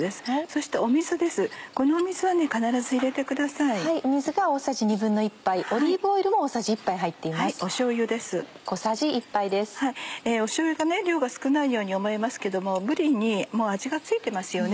しょうゆの量が少ないように思いますけどもぶりにもう味が付いてますよね。